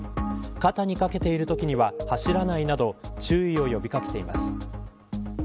肩に掛けているときには走らないなど注意を呼び掛けています。